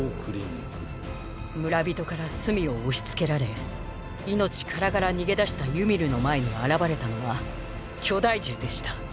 村人から罪を押しつけられ命からがら逃げ出したユミルの前に現れたのは巨大樹でした。